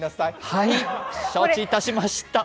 はい、承知いたしました。